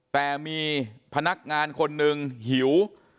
แต่มีพนักงานคนหนึ่งหิว